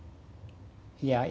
tapi anda juga tahu kan